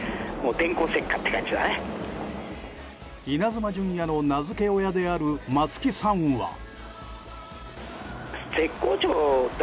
イナズマ純也の名付け親である松木さんは。